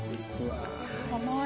甘い。